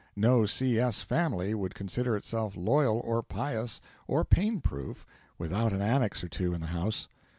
No C.S. family would consider itself loyal or pious or pain proof without an Annex or two in the house.